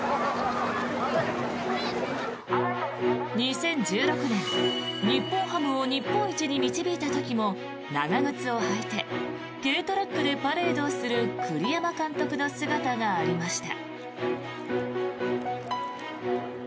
２０１６年、日本ハムを日本一に導いた時も長靴を履いて軽トラックでパレードする栗山監督の姿がありました。